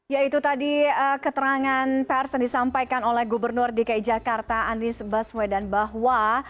ya itu tadi keterangan pers yang disampaikan oleh gubernur dki jakarta anies baswedan bahwa